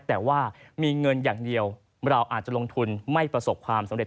แต่ว่ามีเงินอย่างเดียวเราอาจจะลงทุนไม่ประสบความสำเร็